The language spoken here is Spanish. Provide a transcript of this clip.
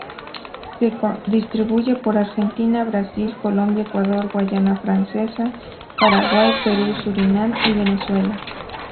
Se distribuye por Argentina, Brasil, Colombia, Ecuador, Guayana Francesa, Paraguay, Perú, Surinam, y Venezuela.